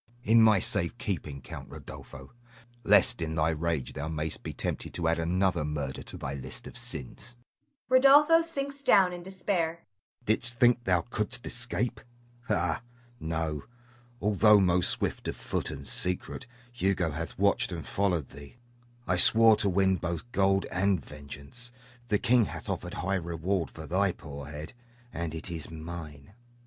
Hugo. In my safe keeping, Count Rodolpho, lest in thy rage thou may'st be tempted to add another murder to thy list of sins. [Rodolpho sinks down in despair.] Didst think thou couldst escape? Ah, no; although most swift of foot and secret, Hugo hath watched and followed thee. I swore to win both gold and vengeance. The king hath offered high reward for thy poor head, and it is mine.